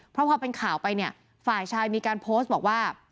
เพราะพอเป็นข่าวไปเนี่ยฝ่ายชายมีการโพสต์บอกว่า